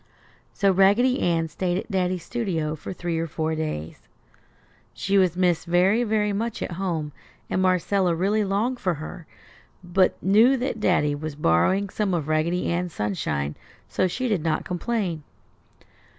So Raggedy Ann stayed at Daddy's studio for three or four days. She was missed very, very much at home and Marcella really longed for her, but knew that Daddy was borrowing some of Raggedy Ann's sunshine, so she did not complain.